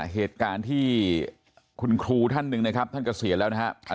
เหตุการณ์ที่คุณครูท่านหนึ่งนะครับท่านเกษียณแล้วนะครับ